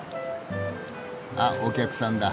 あっお客さんだ。